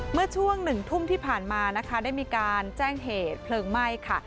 เมื่อช่วง๑ทุ่มที่ผ่านมานะคะได้มีการแจ้งเหตุเพลิงไหม้ค่ะ